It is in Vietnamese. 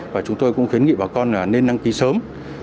và chúng tôi cũng kiến nghị bà con nên năng ký sớm